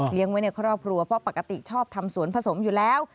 ไว้ในครอบครัวเพราะปกติชอบทำสวนผสมอยู่แล้ว